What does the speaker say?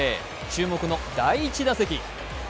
注目の第１打席。